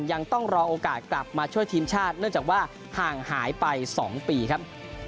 ยังต้องรอโอกาสกลับมาช่วยทีมชาติเนื่องจากว่าห่างหายไป๒ปีครับ